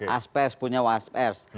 aspers punya waspers